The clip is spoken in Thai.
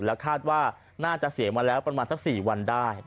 แล้วคาดว่าน่าจะเสียมาแล้วประมาณสัก๔วันได้